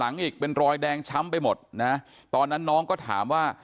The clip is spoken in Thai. อีกเป็นรอยแดงช้ำไปหมดนะตอนนั้นน้องก็ถามว่า